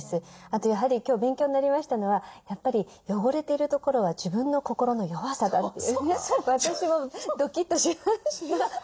あとやはり今日勉強になりましたのはやっぱり「汚れているところは自分の心の弱さだ」って私もドキッとしました。